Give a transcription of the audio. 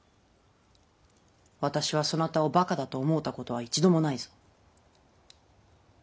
私はそなたをバカだと思うたことは一度もないぞ。